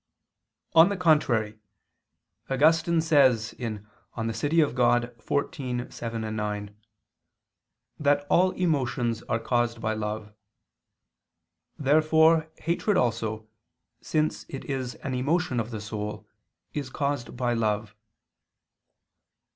On the contrary, Augustine says (De Civ. Dei xiv, 7, 9) that all emotions are caused by love. Therefore hatred also, since it is an emotion of the soul, is caused by love.